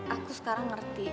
aku sekarang ngerti